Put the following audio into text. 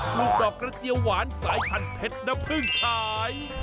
ลูกดอกกระเจียวหวานสายพันธุเผ็ดน้ำพึ่งขาย